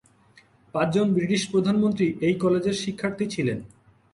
পাঁচজন ব্রিটিশ প্রধানমন্ত্রী এই কলেজের শিক্ষার্থী ছিলেন।